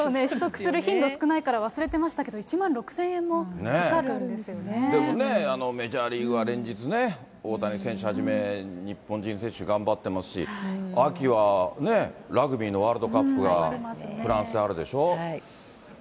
取得する少ないから忘れてましたけど、１万６０００円もかでもね、メジャーリーグは連日ね、大谷選手はじめ、日本人選手頑張ってますし、秋はね、ラグビーのワールドカップがフランスであるでしょ。